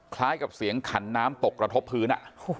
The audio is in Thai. คล้ายกับเสียงขันน้ำตกกระทบพื้น